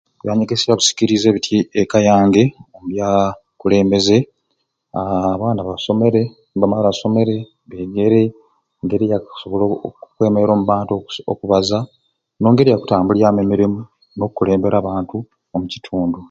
Ebyanyegesya bisikirize bityai ekka yange omubya bukulembeze aahh abaana basomere nibamala basomere begeere engeri yakusobola okwemeera omubantu okuso okubaza nengeri yakutambulyamu emirimu nokulembeera abantu omukitundu.